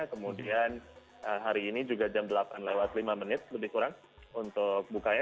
kemudian hari ini juga jam delapan lewat lima menit lebih kurang untuk bukanya